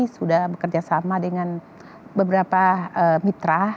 sudah bekerjasama dengan beberapa mitra